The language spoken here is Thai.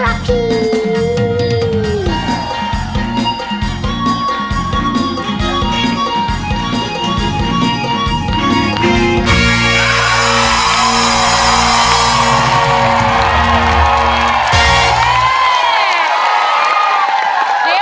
ค่ะกลับมากเลย